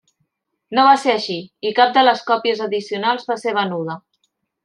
No va ser així, i cap de les còpies addicionals va ser venuda.